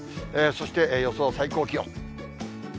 そして予想最高気温。